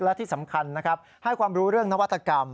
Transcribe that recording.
และที่สำคัญนะครับให้ความรู้เรื่องนวัตกรรม